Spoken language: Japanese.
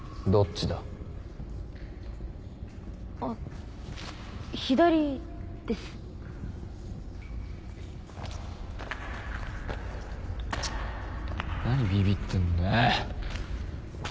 チッ何ビビってんだよ。